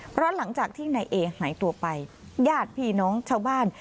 เพราะหลังจากที่นายเอหายตัวไปญาติพี่น้องชาวบ้าน